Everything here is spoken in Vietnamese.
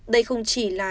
đây không chỉ là